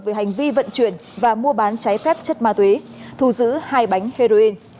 về hành vi vận chuyển và mua bán trái phép chất ma túy thu giữ hai bánh heroin